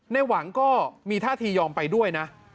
ในหวังก็มีท่าทียอมไปด้วยนะ